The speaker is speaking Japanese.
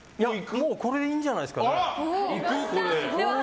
これでいいんじゃないですか。